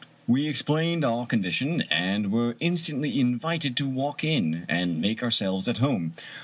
We explained our condition, and were in stantly invited to walk in and make ourselves at home.